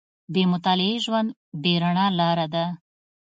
• بې مطالعې ژوند، بې رڼا لاره ده.